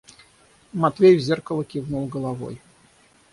Матвей в зеркало кивнул головой.